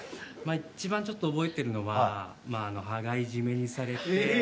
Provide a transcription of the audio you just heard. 一番覚えてるのは羽交い締めにされて。